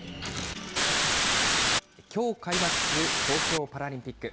きょう開幕する東京パラリンピック。